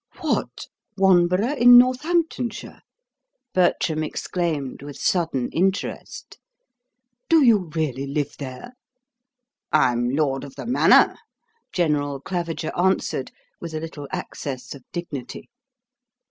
"What! Wanborough in Northamptonshire?" Bertram exclaimed with sudden interest. "Do you really live there?" "I'm lord of the manor," General Claviger answered, with a little access of dignity.